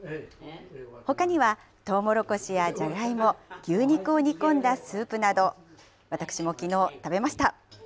ほかには、トウモロコシやジャガイモ、牛肉を煮込んだスープなど、私もきのう、食べました。